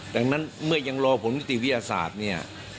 ดังนั้นเมื่อยังรอผลนิติวิทยาศาสตร์เนี่ย